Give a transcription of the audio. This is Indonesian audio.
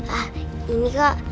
hah ini kak